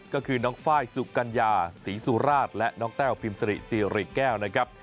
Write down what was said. ก็คือน้องไฟล์สุกัญญาศรีสุราชและน้องแต้วพิมสริซีริแก้วนะครับ